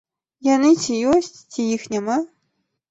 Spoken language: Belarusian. Яны ці ёсць, ці іх няма.